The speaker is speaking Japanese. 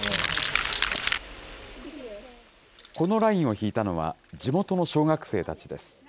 このラインを引いたのは、地元の小学生たちです。